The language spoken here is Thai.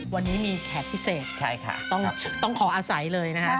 วันนี้มีแขกพิเศษต้องขออาศัยเลยนะคะ